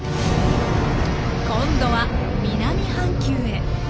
今度は南半球へ。